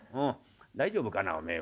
大丈夫かなおめえは。